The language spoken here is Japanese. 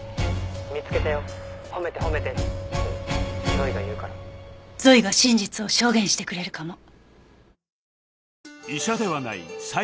「“見つけたよほめてほめて”ってゾイが言うから」ゾイが真実を証言してくれるかも。